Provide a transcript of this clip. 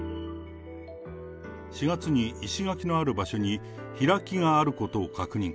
４月に石垣のある場所に、開きがあることを確認。